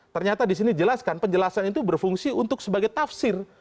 ternyata disini jelaskan penjelasan itu berfungsi untuk sebagai tafsir